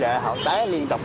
thế là họ đi lại họ té liên tục